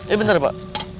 eh bentar pak